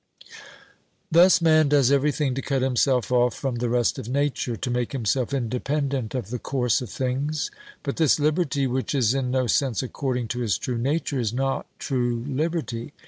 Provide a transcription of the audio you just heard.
Thus man does everything to cut himself off from the rest of nature, to make himself independent of the course of things, but this liberty, which is in no sense according to his true nature, is not true liberty.